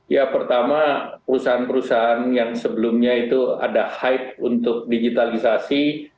ya pertama perusahaan perusahaan yang sebelumnya itu ada hype untuk digitalisasi